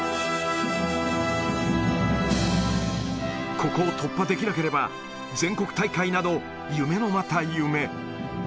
ここを突破できなければ、全国大会など、夢のまた夢。